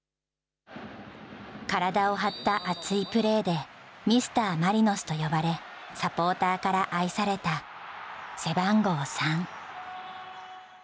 体を張った熱いプレーで、ミスターマリノスと呼ばれサポーターから愛された背番号３。